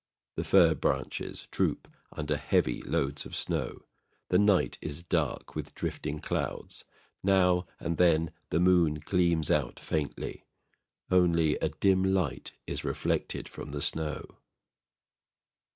The fir branches droop under heavy loads of snow. The night is dark, with drifting clouds. Now and then the moon gleams out faintly. Only a dim light is reflected from the snow.